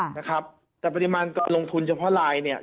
แต่ปรับประดิมันก่อนลงทุนเฉพาะลายเนี้ย